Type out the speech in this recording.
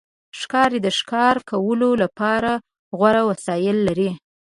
ښکاري د ښکار کولو لپاره غوره وسایل لري.